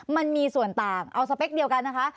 มันมีส่วนต่างเอาสเปคเดียวกันนะคะ